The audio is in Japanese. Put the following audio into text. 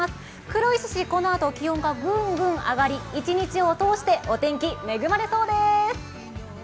黒石市、このあと、気温がぐんぐん上がり、１日を通してお天気恵まれそうです。